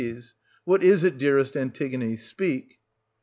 What is it, dearest Antigone ? Speak